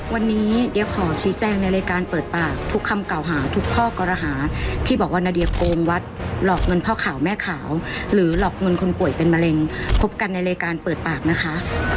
วันนี้เดี๋ยวขอชี้แจงในรายการเปิดปากทุกคำเก่าหาทุกข้อกรหาที่บอกว่านาเดียโกงวัดหลอกเงินพ่อขาวแม่ขาวหรือหลอกเงินคนป่วยเป็นมะเร็งคบกันในรายการเปิดปากนะคะ